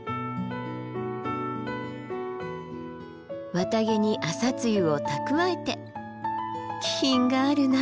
綿毛に朝露を蓄えて気品があるなあ。